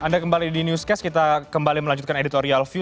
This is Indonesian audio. anda kembali di newscast kita kembali melanjutkan editorial view